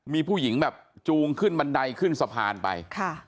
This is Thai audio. มีผู้หญิงแบบจูงขึ้นบันไดขึ้นสะพานไป